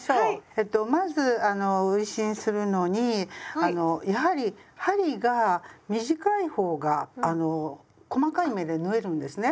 えっとまず運針するのにやはり針が短い方が細かい目で縫えるんですね。